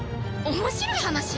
面白い話？